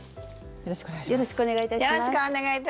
よろしくお願いします。